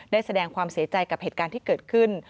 แสดงความเสียใจกับเหตุการณ์ที่เกิดขึ้น